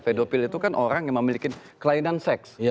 pedopil itu kan orang yang memiliki kelainan seks